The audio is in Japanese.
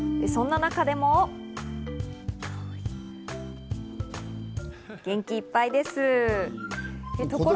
そんな中でも、元気いっぱいです。